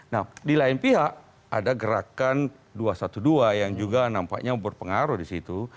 nah di lain pihak ada gerakan dua ratus dua belas yang juga nampaknya berpengaruh di situ